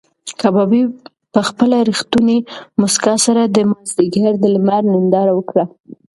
کبابي په خپله رښتونې موسکا سره د مازدیګر د لمر ننداره وکړه.